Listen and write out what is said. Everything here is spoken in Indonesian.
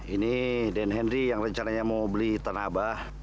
ini den henry yang rencananya mau beli tanah abah